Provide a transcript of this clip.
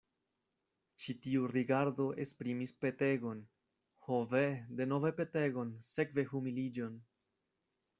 Ĉi tiu rigardo esprimis petegon, ho ve, denove petegon, sekve humiliĝon!